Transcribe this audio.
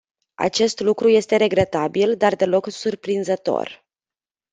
Acest lucru este regretabil, dar deloc surprinzător.